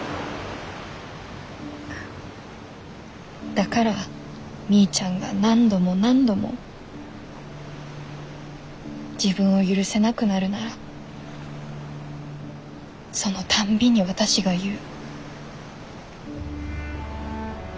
だからみーちゃんが何度も何度も自分を許せなくなるならそのたんびに私が言う。